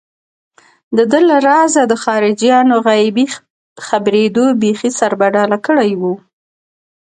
دده له رازه د خارجيانو غيبي خبرېدو بېخي سربداله کړی و.